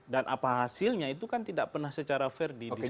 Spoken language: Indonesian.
dan apa hasilnya itu kan tidak pernah secara fair didiskriminasi